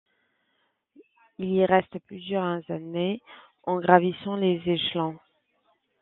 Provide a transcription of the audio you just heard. Il y reste plusieurs années en gravissant les échelons.